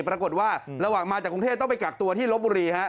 ปรากฏว่าระหว่างมาจากกรุงเทพต้องไปกักตัวที่ลบบุรีฮะ